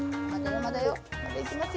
まだいきますよ。